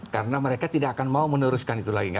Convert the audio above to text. karena mereka tidak akan mau meneruskan itu lagi